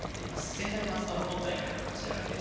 専大松戸の今大会の勝ち上がり。